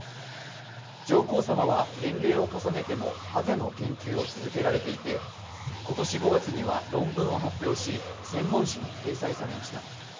上皇さまは年齢を重ねてもハゼの研究を続けられていて、今年５月には論文を発表し、専門誌に掲載されました。